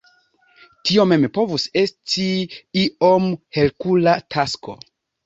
Tio mem povus esti iom Herkula tasko.